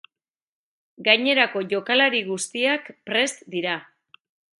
Gainerako jokalari guztiak prest dira.